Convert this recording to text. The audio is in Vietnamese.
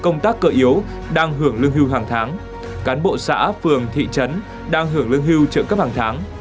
công tác cơ yếu đang hưởng lương hưu hàng tháng cán bộ xã phường thị trấn đang hưởng lương hưu trợ cấp hàng tháng